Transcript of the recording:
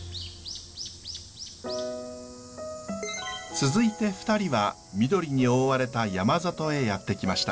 続いて２人は緑に覆われた山里へやって来ました。